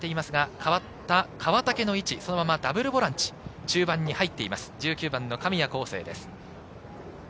代わった川竹の位置、そのままダブルボランチ、中盤に入っています、１９番・神谷昂成です。